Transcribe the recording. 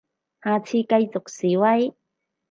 下次繼續示威